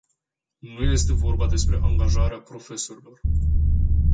Nu este vorba despre angajarea profesorilor.